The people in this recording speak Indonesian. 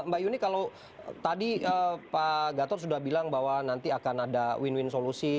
mbak yuni kalau tadi pak gatot sudah bilang bahwa nanti akan ada win win solusi